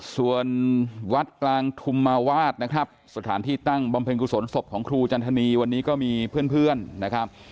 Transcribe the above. ส่วนวัดกลางธุมมาวาดนะครับสถานที่ตั้งบำเพ็ญกุศลศพของครูจันทนีวันนี้ก็มีเพื่อนนะครับ